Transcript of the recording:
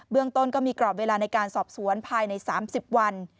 ต้นก็มีกรอบเวลาในการสอบสวนภายใน๓๐วัน